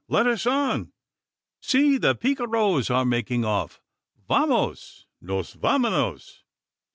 Let us on! See! the picaros are making off. Vamos! nos vamonos!"